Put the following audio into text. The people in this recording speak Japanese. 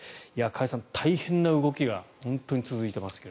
加谷さん、大変な動きが本当に続いていますが。